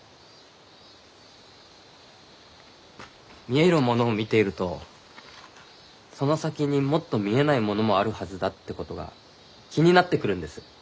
見えるものを見ているとその先にもっと見えないものもあるはずだってことが気になってくるんです。